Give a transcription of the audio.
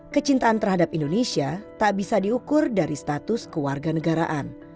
kecintaan terhadap indonesia tak bisa diukur dari status kewarganegaraan